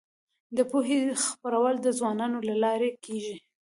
د پوهې خپرول د ځوانانو له لارې کيږي.